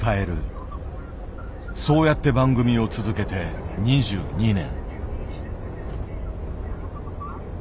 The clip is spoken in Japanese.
そうやって番組を続けて２２年。